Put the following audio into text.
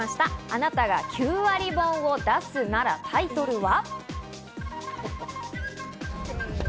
あなたが９割本を出すならタイトルは？